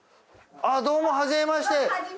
どうも初めまして！